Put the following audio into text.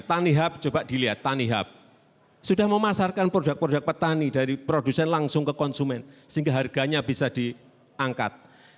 tanihub coba dilihat tanihub sudah memasarkan produk produk petani dari produsen langsung ke konsumen sehingga harganya bisa diangkat